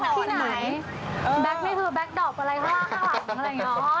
มีแบ๊กที่ไหนแบ๊กไม่คือแบ๊กดอปอะไรข้างหลัง